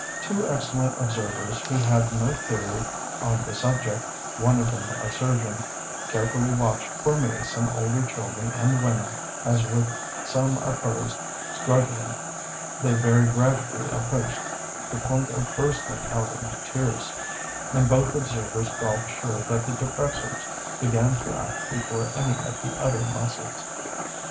Two excellent observers who had no theory on the subject, one of them a surgeon, carefully watched for me some older children and women as with some opposed struggling they very gradually approached the point of bursting out into tears; and both observers felt sure that the depressors began to act before any of the other muscles.